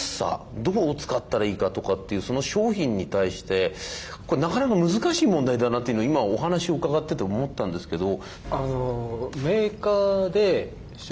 どう使ったらいいかとかっていうその商品に対してこれなかなか難しい問題だなというのを今お話を伺ってて思ったんですけど。